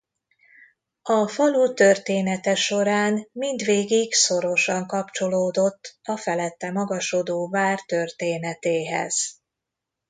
A falu története során mindvégig szorosan kapcsolódott a felette magasodó vár történetéhez.